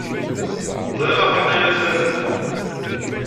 Ẓriɣ ɣef wanta ay la ttnadint.